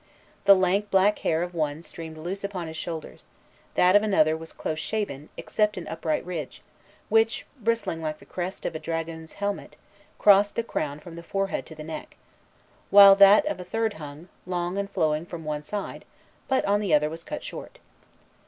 The lank black hair of one streamed loose upon his shoulders; that of another was close shaven, except an upright ridge, which, bristling like the crest of a dragoon's helmet, crossed the crown from the forehead to the neck; while that of a third hung, long and flowing from one side, but on the other was cut short.